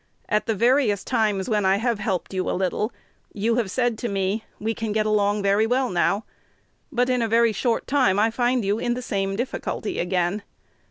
At the various times when I have helped you a little, you have said to me, "We can get along very well now;" but in a very short time I find you in the same difficulty again.